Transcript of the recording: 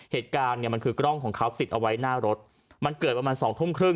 เหตุการณ์เนี่ยมันคือกล้องของเขาติดเอาไว้หน้ารถมันเกิดประมาณสองทุ่มครึ่ง